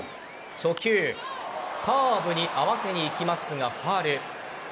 初球カーブに合わせにいきますがファウル。